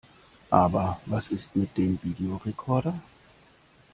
Aber was ist mit dem Videorekorder?